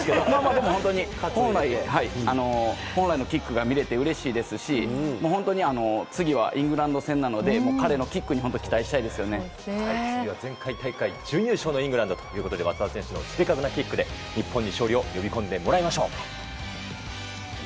でも、本当に本来のキックが見れてうれしいですし次はイングランド戦なので次は前回大会準優勝のイングランドということで松田選手の正確なキックで日本に勝利を呼び込んでもらいましょう。